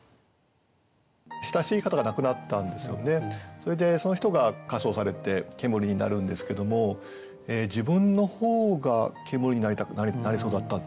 それでその人が火葬されて煙になるんですけども自分の方が煙になりそうだったっていうね